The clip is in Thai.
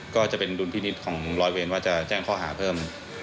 ก็จะเป็นดุลพินิษฐ์ของร้อยเวรว่าจะแจ้งข้อหาเพิ่ม